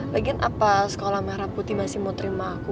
lagian apa sekolah merah putih masih mau terima aku